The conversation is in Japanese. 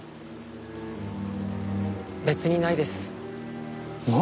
別にないです。